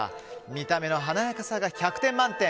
見た目の華やかさが１００点満点。